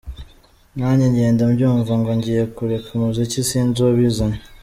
Nanjye ngenda mbyumva, ngo ngiye kureka umuziki, sinzi uwabizanye.